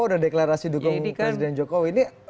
udah deklarasi dukung presiden jokowi ini